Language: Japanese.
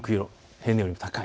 平年より高い。